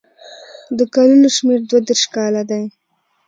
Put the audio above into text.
د کلونو شمېر دوه دېرش کاله دی.